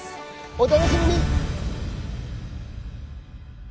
お楽しみに！